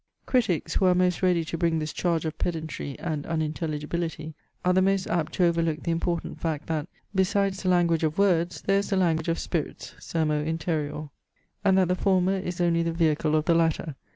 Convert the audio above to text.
Critics, who are most ready to bring this charge of pedantry and unintelligibility, are the most apt to overlook the important fact, that, besides the language of words, there is a language of spirits (sermo interior) and that the former is only the vehicle of the latter.